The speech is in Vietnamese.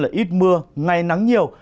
là ít mưa ngày nắng nhiều